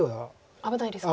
危ないですか。